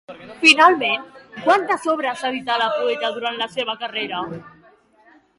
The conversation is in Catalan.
Finalment, quantes obres edità la poeta durant la seva carrera?